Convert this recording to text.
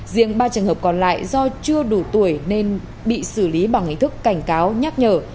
riêng ba trường hợp còn lại do chưa đủ tuổi nên bị xử lý bằng hình thức cảnh cáo nhắc nhở